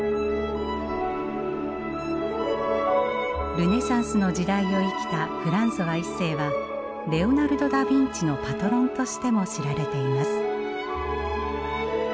ルネサンスの時代を生きたフランソワ一世はレオナルド・ダビンチのパトロンとしても知られています。